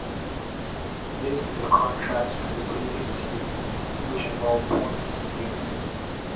This is a contrast from the previous series which involved ponies and humans.